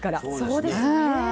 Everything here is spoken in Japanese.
そうですよね。